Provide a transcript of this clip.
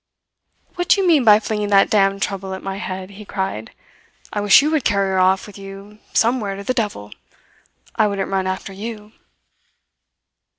"What do you mean by flinging that damned trouble at my head?" he cried. "I wish you would carry her off with you some where to the devil! I wouldn't run after you."